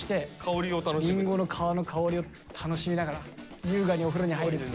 りんごの皮の香りを楽しみながら優雅にお風呂に入るっていう。